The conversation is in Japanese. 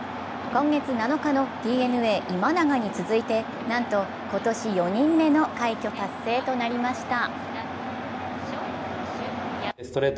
今月７日のＤｅＮＡ・今永に続いてなんと今年４人目の快挙達成となりました。